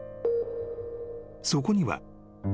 ［そこには］